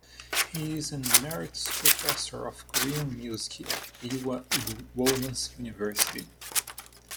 He is an emeritus professor of Korean music at Ewha Womans University.